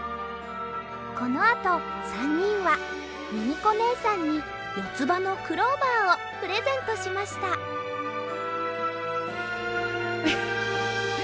このあと３にんはミミコねえさんによつばのクローバーをプレゼントしましたウフフッ。